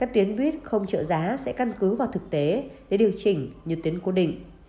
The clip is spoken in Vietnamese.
tuyến buýt không trợ giá sẽ căn cứ vào thực tế để điều chỉnh như tuyến cố định